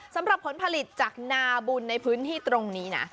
สำหรับผลผลิตจากนาบุญในพื้นที่ตรงนี้นะ